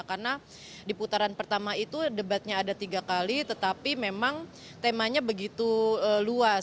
karena di putaran pertama itu debatnya ada tiga kali tetapi memang temanya begitu luas